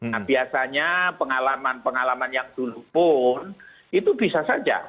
nah biasanya pengalaman pengalaman yang dulu pun itu bisa saja